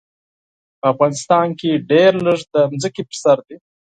په افغانستان کې ډېر لږ د ځمکې په سر دي.